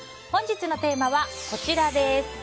本日のテーマはこちら。